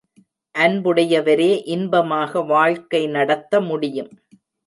அன்புடையவரே இன்பமாக வாழ்க்கை நடத்த முடியும்.